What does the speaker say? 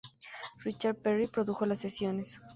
Richard Perry produjo las sesiones.